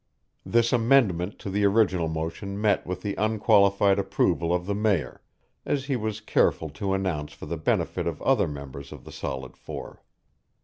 This amendment to the original motion met with the unqualified approval of the Mayor, as he was careful to announce for the benefit of the other members of the Solid Four.